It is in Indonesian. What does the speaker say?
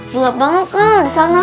gelap banget kan disana